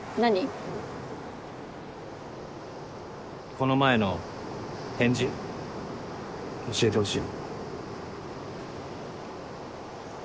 この前の返事教えてほしい。